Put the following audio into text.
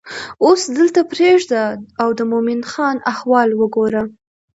اوس دلته پرېږده او د مومن خان احوال وګوره.